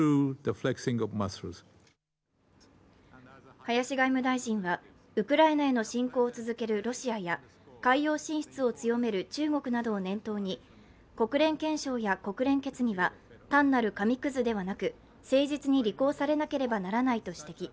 林外務大臣は、ウクライナへの侵攻を続けるロシアや海洋進出を強める中国などを念頭に国連憲章や国連決議は単なる紙くずではなく誠実に履行されなければならないと指摘。